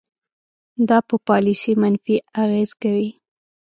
دا په پالیسۍ منفي اغیز کوي.